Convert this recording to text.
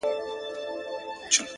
ستا د بنگړو مست شرنگهار وچاته څه وركوي.